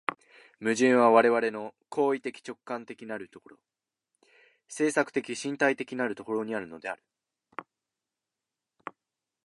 矛盾は我々の行為的直観的なる所、制作的身体的なる所にあるのである。